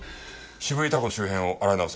渋井貴子の周辺を洗い直せ。